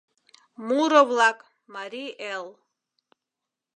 МУРО-ВЛАКМАРИЙ ЭЛ